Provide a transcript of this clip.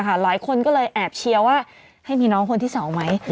หลายคนก็เลยแอบเชียร์ว่าให้มีน้องคนที่๒ไหม